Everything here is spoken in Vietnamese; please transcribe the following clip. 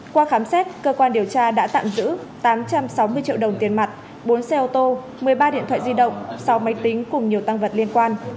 qua khám xét cơ quan điều tra đã tạm giữ tám trăm sáu mươi triệu đồng tiền mặt bốn xe ô tô một mươi ba điện thoại di động sáu máy tính cùng nhiều tăng vật liên quan